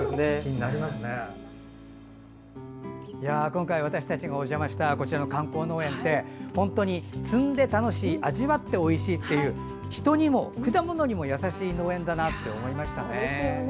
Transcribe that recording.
今回、私たちがお邪魔したこちらの観光農園って本当に摘んで楽しい味わっておいしいという人にも果物にも優しい農園だなと思いましたね。